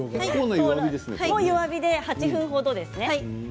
弱火で８分ほどですね。